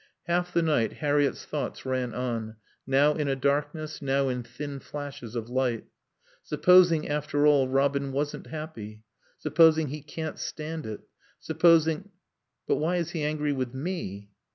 Half the night Harriett's thoughts ran on, now in a darkness, now in thin flashes of light. "Supposing, after all, Robin wasn't happy? Supposing he can't stand it? Supposing.... But why is he angry with _me?